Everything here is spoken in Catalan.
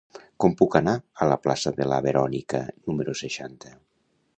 Com puc anar a la plaça de la Verònica número seixanta?